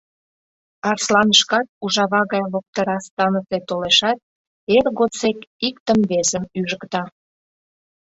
Арсланышкат ужава гай лоптыра станысе толешат, эр годсек иктым-весым ӱжыкта.